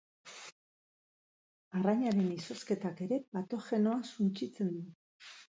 Arrainaren izozketak ere patogenoa suntsitzen du.